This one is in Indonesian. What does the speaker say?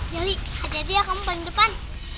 yali hati hati ya kamu di depan